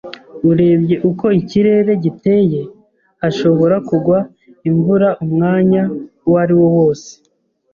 Urebye uko ikirere giteye, hashobora kugwa imvura umwanya uwariwo wose.